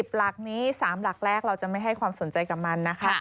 หลักนี้๓หลักแรกเราจะไม่ให้ความสนใจกับมันนะคะ